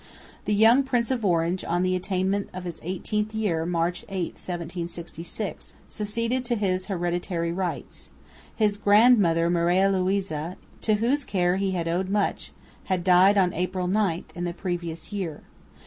The young Prince of Orange on the attainment of his eighteenth year, March 8,1766, succeeded to his hereditary rights. His grandmother, Maria Louisa, to whose care he had owed much, had died on April 9, in the previous year.